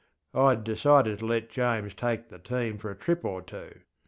IŌĆÖd decided to let James take the team for a trip or two.